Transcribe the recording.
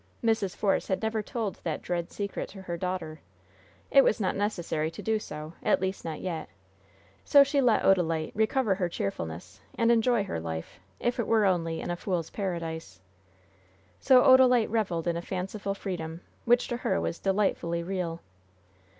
Mrs. Force had never told that dread secret to her daughter. It was not necessary to do so, at least not yet, so she let Odalite recover her cheerfulness and enjoy her life, if it were only in a fool's paradise. So Odalite reveled in a fanciful freedom, which to her was delightfully real.